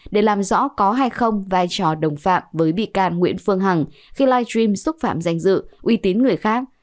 để làm rõ có hay không vai trò đồng phạm với bị can nguyễn phương hằng khi live stream xúc phạm danh dự uy tín người khác